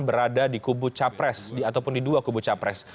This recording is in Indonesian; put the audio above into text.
berada di kubu capres ataupun di dua kubu capres